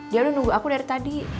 dia lo nunggu aku dari tadi